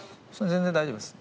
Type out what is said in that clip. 全然大丈夫です。